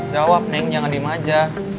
jawab neng jangan di maja